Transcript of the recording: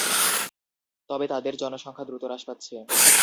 তবে তাদের জনসংখ্যা দ্রুত হ্রাস পাচ্ছে।